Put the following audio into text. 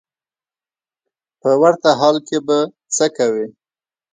په ورته حال کې به څه کوې.